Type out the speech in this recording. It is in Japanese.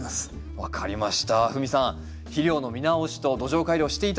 分かりました。